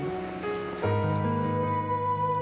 eh makan nambah dong